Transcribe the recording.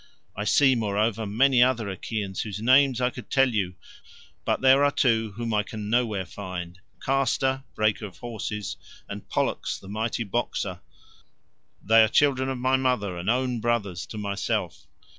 I see, moreover, many other Achaeans whose names I could tell you, but there are two whom I can nowhere find, Castor, breaker of horses, and Pollux the mighty boxer; they are children of my mother, and own brothers to myself.